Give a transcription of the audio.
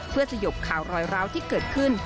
เพื่อสยบข่าวรอยร้าวที่เกิดขึ้น